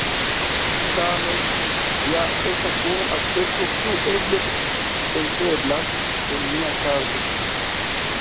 Tamen, ja estas unu aspekto, kiu eble pli senteblas en nia kazo.